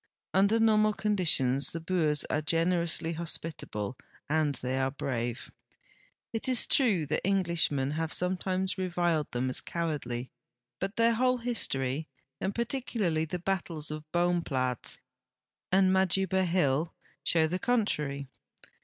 Under normal conditions the Boers are gener ousl}" hospitable and they are brave. It is true that Englishmen have sometimes reviled them as cowardl}\ but their whole his torv, and particularly the battles of Boomi>laats and Majuba Hill, shows the contrary.